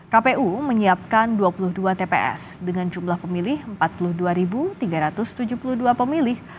kpu menyiapkan dua puluh dua tps dengan jumlah pemilih empat puluh dua tiga ratus tujuh puluh dua pemilih